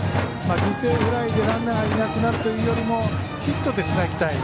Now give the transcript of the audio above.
犠牲フライでランナーがいなくなるというよりヒットでつなぎたい。